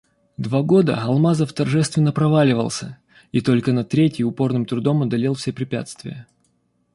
Два года Алмазов торжественно проваливался и только на третий упорным трудом одолел все препятствия.